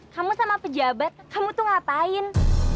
kamu sama pejabat kamu tuh ngapain